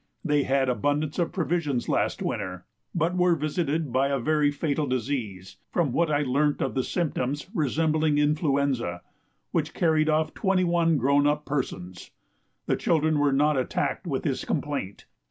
They had abundance of provisions last winter, but were visited by a very fatal disease from what I learnt of the symptoms, resembling influenza which carried off twenty one grown up persons. The children were not attacked with this complaint.